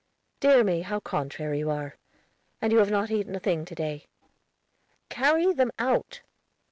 "Dear me, how contrary you are! And you have not eaten a thing to day." "Carry them out."